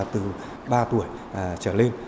từ ba tuổi trở lên